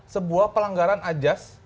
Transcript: sebuah pelanggaran ajas